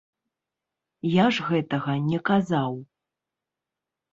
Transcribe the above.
Я ж гэтага не казаў.